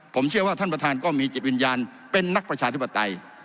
ผมเชื่อว่าท่านประธานก็มีจิตวิญญาณเป็นนักประชาธิปไตย